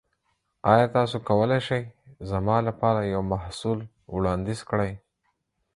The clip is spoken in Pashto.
ایا تاسو کولی شئ زما لپاره یو محصول وړاندیز کړئ؟